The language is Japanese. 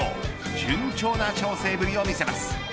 順調な調整ぶりを見せます。